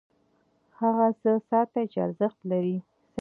هغه څه ساتي چې ارزښت لري.